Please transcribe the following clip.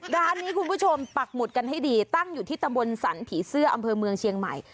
ร้านนี้คุณผู้ชมปักหมุดกันให้ดีตั้งอยู่ที่ตำบลสรรผีเสื้ออำเภอเมืองเชียงใหม่